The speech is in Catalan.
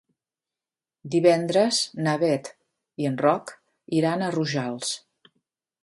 Divendres na Beth i en Roc iran a Rojals.